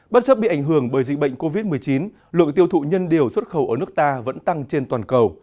bất chấp bị ảnh hưởng bởi dịch bệnh covid một mươi chín lượng tiêu thụ nhân điều xuất khẩu ở nước ta vẫn tăng trên toàn cầu